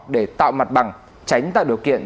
để tạo mặt bằng tránh tạo điều kiện